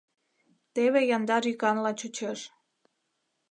Теве яндар йӱканла чучеш.